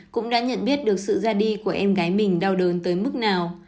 cũng đã nhận biết được sự ra đi của em gái mình đau đớn tới mức nào